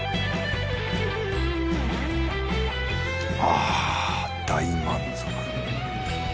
あ大満足。